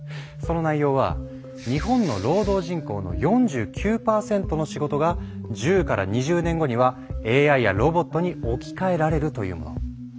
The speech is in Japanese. その内容は「日本の労働人口の４９％の仕事が１０から２０年後にはＡＩやロボットに置き換えられる」というもの。